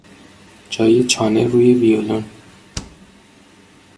جای چانه روی ویولن